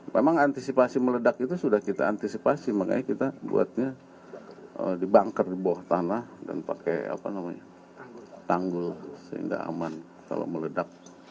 memang antisipasi meledak itu sudah kita antisipasi makanya kita buatnya dibanker di bawah tanah dan pakai tanggul sehingga aman kalau meledak